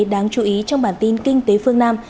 đáng chú ý trong bản tin kinh tế phương nam